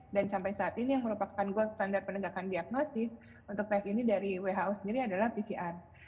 dan sampai saat ini yang merupakan gold standar penegakan diagnosis untuk tes ini dari who sendiri adalah pcr